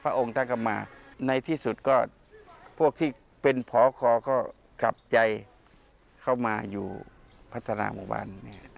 องค์ท่านก็มาในที่สุดก็พวกที่เป็นพอคอก็กลับใจเข้ามาอยู่พัฒนาหมู่บ้าน